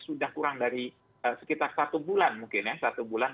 sudah kurang dari sekitar satu bulan mungkin